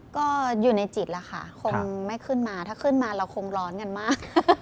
ก็อยู่ในจิตแล้วค่ะคงไม่ขึ้นมาถ้าขึ้นมาเราคงร้อนกันมาก